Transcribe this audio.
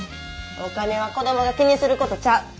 お金は子供が気にすることちゃう。